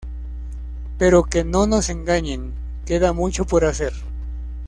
Pero que no nos engañen: queda mucho por hacer.